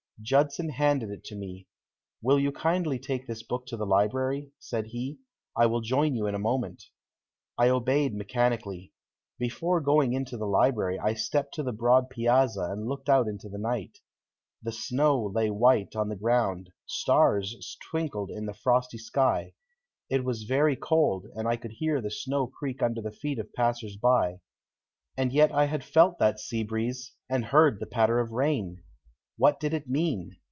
Judson handed it to me. "Will you kindly take this book to the library," said he; "I will join you in a moment." I obeyed mechanically. Before going into the library I stepped to the broad piazza and looked out into the night. The snow lay white on the ground, stars twinkled in the frosty sky, it was very cold, and I could hear the snow creak under the feet of passers by, and yet I had felt that sea breeze and heard the patter of rain. What did it mean?